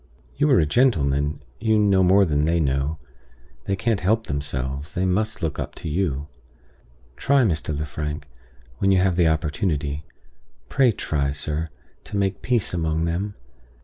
You are a gentleman; you know more than they know; they can't help themselves; they must look up to you. Try, Mr. Lefrank, when you have the opportunity pray try, sir, to make peace among them.